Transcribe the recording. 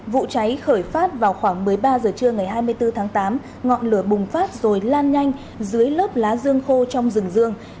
vụ cháy khởi phát vào khoảng một mươi ba h trưa ngày hai mươi bốn tháng tám ngọn lửa bùng phát rồi lan nhanh dưới lớp lá dương khô trong rừng rương